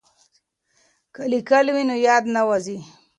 که لیکل وي نو یاد نه وځي.